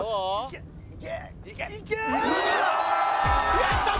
やったぞ！